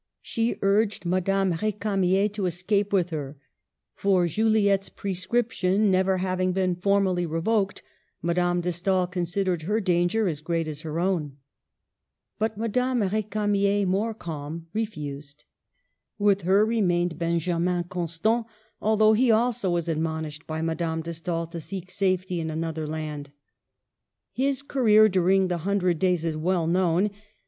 She urged Madame Rdcamier to escape with her, for, Juli ette's prescription never having been formally revoked, Madame de Stael considered her danger as great as her own. But Madame R6camier, more calm, refused. With her remained also Benjamin Constant, although he also was admon ished by Madame de Stael to seek safety in another land. His career during the Hundred Days is well known.